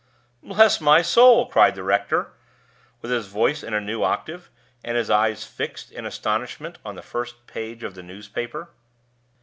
"Bless my soul!" cried the rector, with his voice in a new octave, and his eyes fixed in astonishment on the first page of the newspaper.